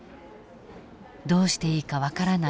どうしていいか分からない